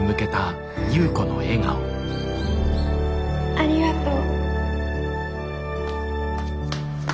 ありがとう。